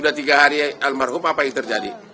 jadi sudah tiga hari almarhum apa yang terjadi